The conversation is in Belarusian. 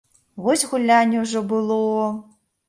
Вось гулянне ўжо было!